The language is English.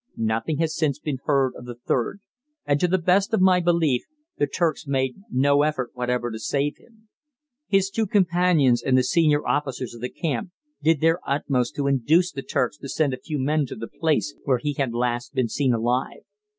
Nothing has since been heard of the third, and to the best of my belief the Turks made no effort whatever to save him. His two companions and the senior officers of the camp did their utmost to induce the Turks to send a few men to the place where he had last been seen alive.